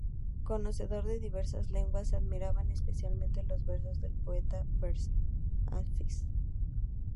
Conocedor de diversas lenguas, admiraba especialmente los versos del poeta persa Hafiz.